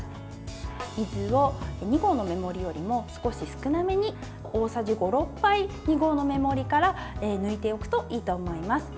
水を２合の目盛りよりも少し少なめに、大さじ５６杯２合のメモリから抜いておくといいと思います。